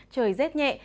trời rét nhẹ